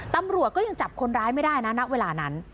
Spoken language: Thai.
ตำรวจก็ยังจับคนร้ายไม่ได้นะณเวลานั้น